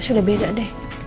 sudah beda deh